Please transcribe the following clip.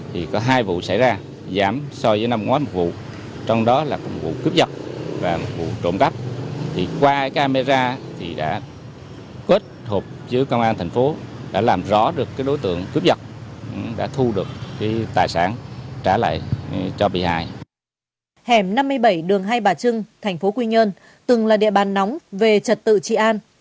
hẻm năm mươi bảy đường hai bà trưng thành phố quy nhơn từng là địa bàn nóng về trật tự trị an